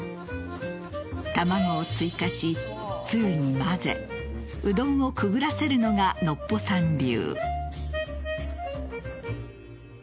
卵を追加し、つゆにまぜうどんをくぐらせるのがノッポさん流。